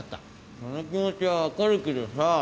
その気持ちは分かるけどさぁ。